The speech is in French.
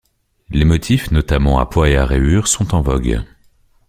Les motifs notamment à pois et rayures sont en vogue.